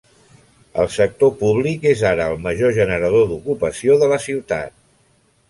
El sector públic és ara el major generador d'ocupació de la ciutat.